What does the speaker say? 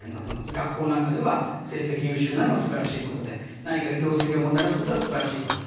学校なんかでは成績優秀なのがすばらしいことで何か業績をもたらすことはすばらしいことだ。